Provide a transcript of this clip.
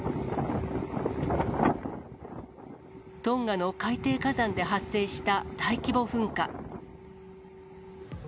トンガの海底火山で発生した大規模噴火。